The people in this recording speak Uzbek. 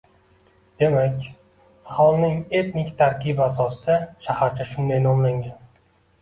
Demak, aholining etnik tarkibi asosida shaharcha shunday nomlangan.